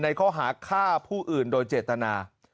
ข้อหาฆ่าผู้อื่นโดยเจตนา